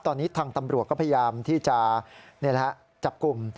ตอนนี้ทางตำรวจก็พยายามที่จะจับกลุ่ม